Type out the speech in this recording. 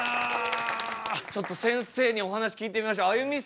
ちょっとせんせいにお話聞いてみましょうあゆみ